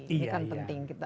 ini kan penting